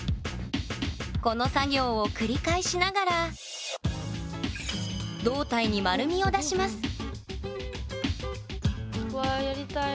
この作業を繰り返しながら胴体に丸みを出しますやりたい。